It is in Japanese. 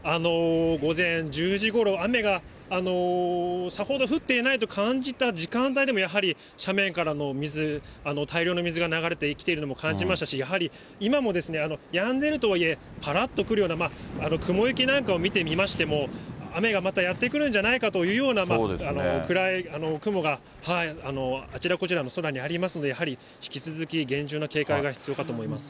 午前１０時ごろ、雨がさほど降っていないと感じた時間帯でも、やはり斜面からの水、大量の水が流れてきているのも感じましたし、やはり今も、やんでいるとはいえ、ぱらっとくるような、雲行きなんかも見てみましても、雨がまたやって来るんじゃないかというような暗い雲が、あちらこちらの空にありますんで、やはり引き続き厳重な警戒が必要かと思います。